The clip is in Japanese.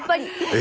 え⁉